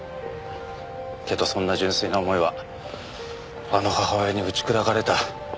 けどそんな純粋な思いはあの母親に打ち砕かれた。